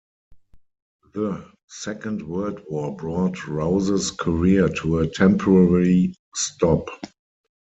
The Second World War brought Rowse's career to a temporary stop.